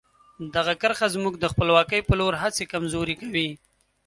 دغه کرښه زموږ د خپلواکۍ په لور هڅې کمزوري کوي.